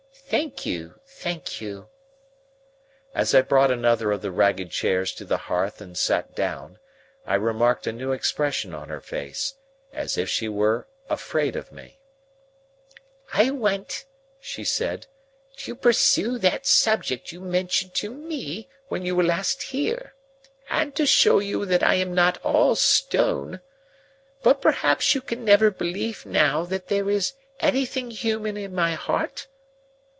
"Thank you. Thank you." As I brought another of the ragged chairs to the hearth and sat down, I remarked a new expression on her face, as if she were afraid of me. "I want," she said, "to pursue that subject you mentioned to me when you were last here, and to show you that I am not all stone. But perhaps you can never believe, now, that there is anything human in my heart?"